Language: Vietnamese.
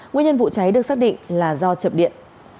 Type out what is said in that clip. nguyên nhân vụ cháy được xác định là do chập điện